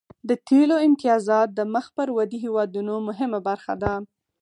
د تیلو امتیازات د مخ پر ودې هیوادونو مهمه برخه ده